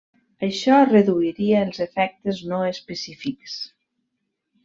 Això reduiria els efectes no específics.